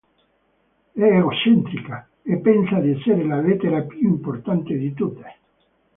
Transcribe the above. È egocentrica e pensa di essere la lettera più importante di tutte.